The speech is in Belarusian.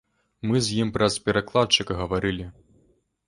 Мы з ім праз перакладчыка гаварылі.